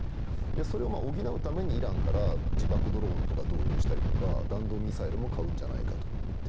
それを補うためにイランから自爆ドローンを輸入したりとか弾道ミサイルを買うんじゃないかとか。